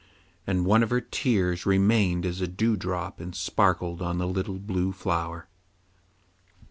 And one of her tears remained as a dewdrop and sparkled on the little blue flower.